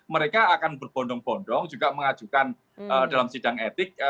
mereka akan berbondong bondong juga mengajukan dalam sidang etik